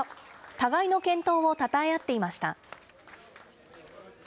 互いの健闘をたたえ合っていました。